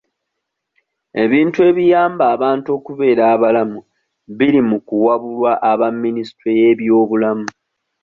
Ebintu ebiyamba abantu okubeera abalamu biri mu kuwabulwa aba minisitule y'ebyobulamu.